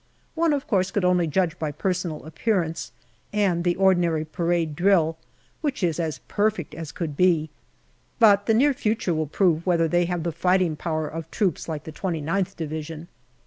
One of course could only judge by personal appearance and the ordinary parade drill, which is as perfect as could be, but the near future will prove whether they have the fighting power of troops like the 2gth Division.